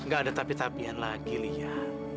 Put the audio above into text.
gak ada tapi tapian lagi lia